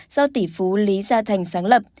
do tỷ phú lý gia thành sáng lập